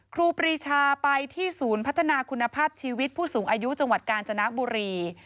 ครูปรีชาไปที่ศูนย์พัฒนาคุณภาพชีวิตผู้สูงอายุจังหวัดกาญจนบุรี